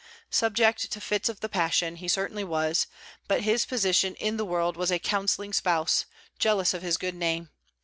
Subject to fits of the passion, he certainly was, but his position in the world was a counselling spouse, jealous of his good name.